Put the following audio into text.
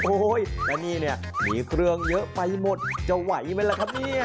โอ้โหแล้วนี่เนี่ยมีเครื่องเยอะไปหมดจะไหวไหมล่ะครับเนี่ย